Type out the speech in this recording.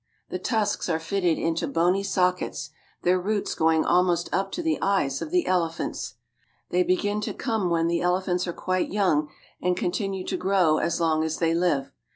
The tusks are fitted into bony sockets, their roots going almost up to the eyes of the elephants. They begin to come when the elephants are quite young, and continue to grow as long as they live.